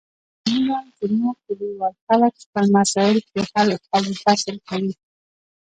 معمولا زموږ کلیوال خلک خپل مسایل پرې حل و فصل کوي.